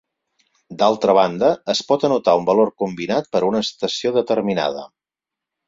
D'altra banda, es pot anotar un valor combinat per a una estació determinada.